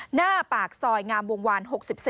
หน้าปากซอยงามวงวาน๖๔